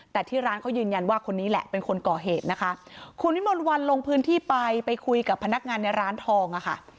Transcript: แต่ที่ร้านเขายืนยันว่าคนนี้แหละเป็นคนก่อเหตุนะคะคุณวิมนต์วันลงพื้นที่ไปไปคุยกับพนักงานในร้านทองอ่ะค่ะ